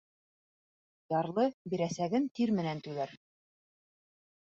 Ярлы бирәсәген тир менән түләр.